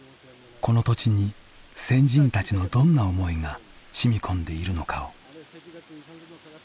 この土地に先人たちのどんな思いが染み込んでいるのかを。